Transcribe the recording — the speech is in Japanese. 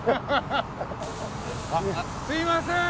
あっすいません！